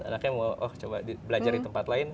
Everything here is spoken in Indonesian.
anaknya mau oh coba belajar di tempat lain